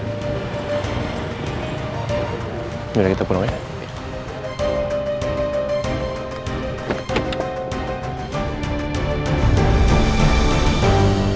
biar kita pulang ya